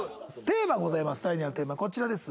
テーマございます。